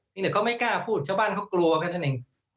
มีแต่เขาไม่กล้าพูดชาวบ้านเขากลัวแค่นั้นเอง